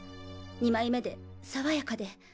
二枚目で爽やかで。